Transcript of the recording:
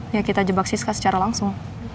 ya kita jebak siska secara langsung